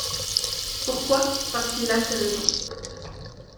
Pourquoi ? Parce qu'il a ses raisons.